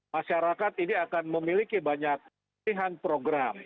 masyarakat ini akan memiliki banyak pilihan program